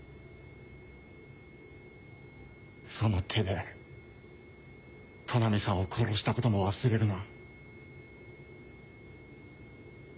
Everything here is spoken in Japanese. その手で都波さんを殺したことも忘れるな。